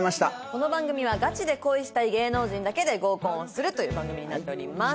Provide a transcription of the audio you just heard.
この番組はガチで恋したい芸能人だけで合コンをするという番組になっております。